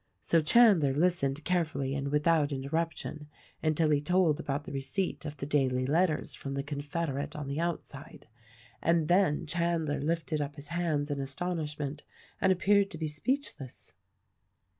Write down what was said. So Chandler listened carefully and without interruption until he told about the receipt of the daily letters from the confederate on the outside; and then Chandler lifted up his hands in astonishment and appeared to be speechless.